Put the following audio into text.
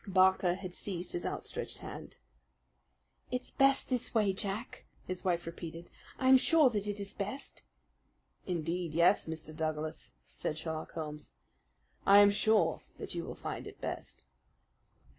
Barker had seized his outstretched hand. "It's best this way, Jack," his wife repeated; "I am sure that it is best." "Indeed, yes, Mr. Douglas," said Sherlock Holmes, "I am sure that you will find it best."